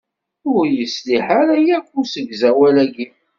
Ur yeṣliḥ ara akk usegzawal-aki.